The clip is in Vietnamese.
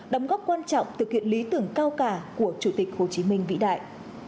đóng góp quan trọng thực hiện lý tưởng cao cả của chủ tịch hồ chí minh vĩ đại